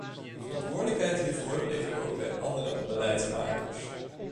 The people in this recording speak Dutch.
De verantwoordelijkheid hiervoor ligt ook bij andere beleidsmakers.